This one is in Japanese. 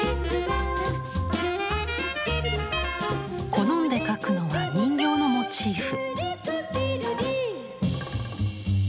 好んで描くのは人形のモチーフ。